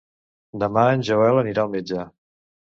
Demà en Joel anirà al metge.